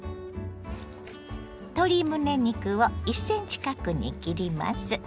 鶏むね肉を１ｃｍ角に切ります。